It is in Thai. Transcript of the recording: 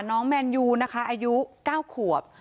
แมนยูนะคะอายุ๙ขวบ